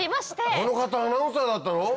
あの方アナウンサーだったの？